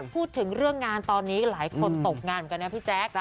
พูดถึงเรื่องงานตอนนี้หลายคนตกงานเหมือนกันนะพี่แจ๊ค